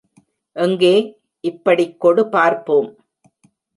எங்கே, இப்படிக் கொடு பார்ப்போம்.